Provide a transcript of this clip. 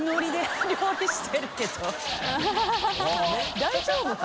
大丈夫か？